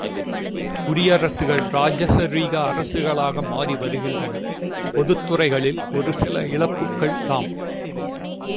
குடியரசுகள் இராஜரீக அரசுகளாக மாறி வருகின்றன, பொதுத்துறைகளில் ஒரு சில இழப்புக்கள் தாம்!